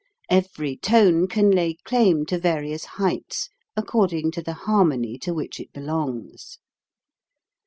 Every tone can lay claim to various heights according to the harmony to which it belongs.